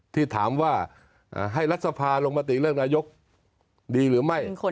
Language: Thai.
ที่ถามว่าให้รัฐสภาลงมติเลือกนายกดีหรือไม่